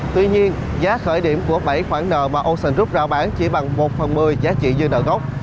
tuy nhiên giá khởi điểm của bảy khoản nợ mà ocean group rao bán chỉ bằng một phần một mươi giá trị dư nợ gốc